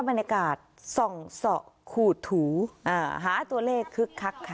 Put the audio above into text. บรรยากาศส่องสอขูดถูหาตัวเลขคึกคักค่ะ